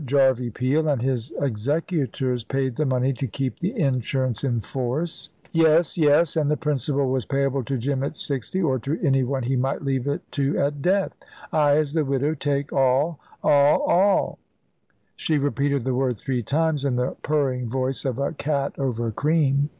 Jarvey Peel and his executors paid the money to keep the insurance in force " "Yes, yes; and the principal was payable to Jim at sixty, or to any one he might leave it to at death, I, as the widow, take all all all"; she repeated the word three times, in the purring voice of a cat over cream.